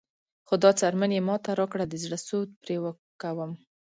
خو دا څرمن یې ماته راکړه د زړه سود پرې کوم.